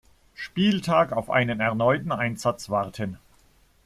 Spieltag auf einen erneuten Einsatz warten.